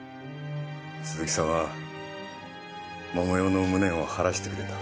鈴木さんは桃代の無念を晴らしてくれた。